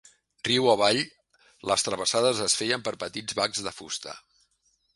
Riu avall, les travessades es feien per petits bacs de fusta.